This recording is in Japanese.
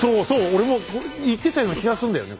俺も言ってたような気がすんだよね